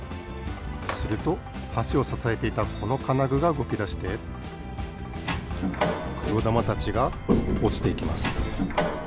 するとはしをささえていたこのかなぐがうごきだしてくろだまたちがおちていきます。